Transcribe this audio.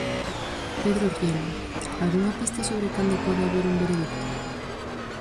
Pedro Rielo, algunha pista sobre cando pode haber un veredicto?